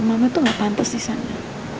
mama tuh gak pantas disana